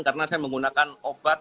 karena saya menggunakan obat